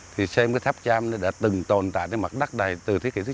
thì xem cái tháp trăm đã từng tồn tại trên mặt đất này từ thế kỷ thứ chín